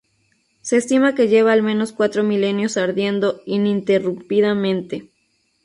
Se estima que lleva al menos cuatro milenios ardiendo ininterrumpidamente.